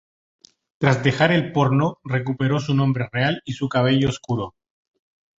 Tras dejar el porno recuperó su nombre real y su cabello oscuro.